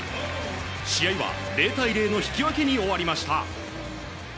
試合は０対０の引き分けに終わりました。